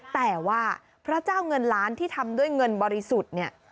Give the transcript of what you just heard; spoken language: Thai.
แต่ว่าพระเจ้าเงินล้านที่ทำด้วยเงินบริสุทธิ์เนี่ย